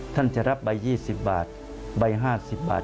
ท่านจะรับใบยี่สิบบาทใบห้าสิบบาท